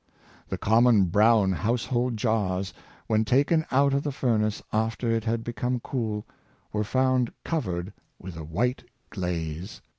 The common brown household jars, when taken out of the furnace after it had become cool, were found covered with a white glaze.